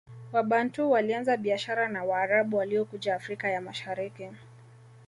Wabantu walianza biashara na Waarabu waliokuja Afrika ya Mashariki